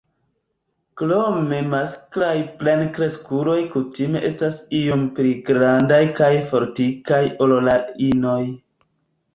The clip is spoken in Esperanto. Krome masklaj plenkreskuloj kutime estas iom pli grandaj kaj fortikaj ol la inoj.